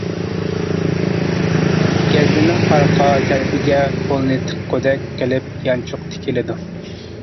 گەزنىنىڭ ئارقا تەرىپىگە قولنى تىققۇدەك قىلىپ يانچۇق تىكىلىدۇ.